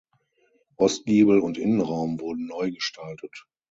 Ostgiebel und Innenraum wurden neu gestaltet.